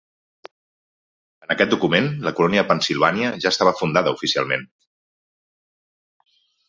En aquest document, la colònia de Pennsilvània ja estava fundada oficialment.